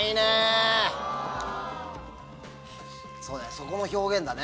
そこの表現だね。